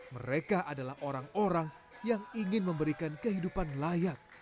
mereka adalah orang orang yang ingin memberikan kehidupan layak